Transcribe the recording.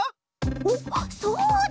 おっそうだ！